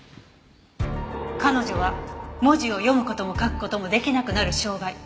彼女は文字を読む事も書く事も出来なくなる障害。